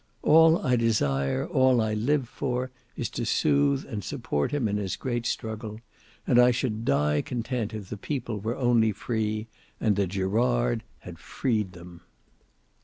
All I desire, all I live for, is to soothe and support him in his great struggle; and I should die content if the People were only free, and a Gerard had freed them."